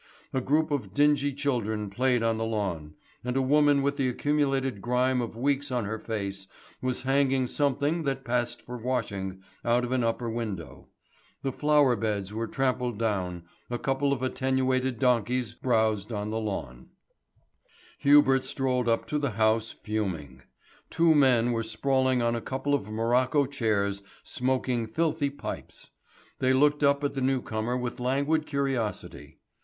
A group of dingy children played on the lawn, and a woman with the accumulated grime of weeks on her face was hanging something that passed for washing out of an upper window. The flower beds were trampled down, a couple of attenuated donkeys browsed on the lawn. [Illustration: Here was a fine residence actually occupied by Whitechapel at its worst.] Hubert strolled up to the house fuming. Two men were sprawling on a couple of morocco chairs smoking filthy pipes. They looked up at the newcomer with languid curiosity.